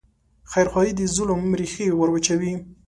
خیرخواهي د ظلم ریښې وروچوي.